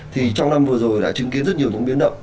thì trong năm vừa rồi đã chứng kiến rất nhiều những biến động